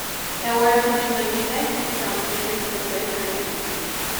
There were to be no united fronts against a greater enemy.